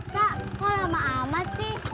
kak kok lama amat sih